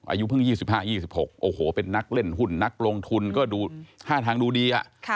อายุเพิ่ง๒๕๒๖โอ้โหเป็นนักเล่นหุ้นนักลงทุนก็ดูท่าทางดูดี